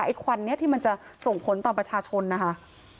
ไอควันนี้ที่มันจะส่งผลต่อประชาชนนะคะ